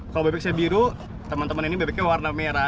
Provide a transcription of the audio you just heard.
kalau bebek saya biru teman teman ini bebeknya warna merah